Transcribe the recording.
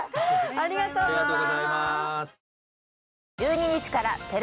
ありがとうございます。